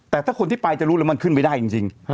แต่ถ้าคนที่ไปจะรู้แล้วมันขึ้นไม่ได้จริง